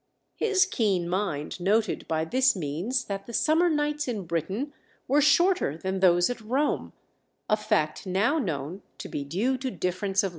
His keen mind noted by this means that the summer nights in Britain were shorter than those at Rome, a fact now known to be due to difference of latitude.